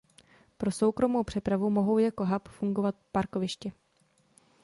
Pro soukromou přepravu mohou jako hub fungovat parkoviště.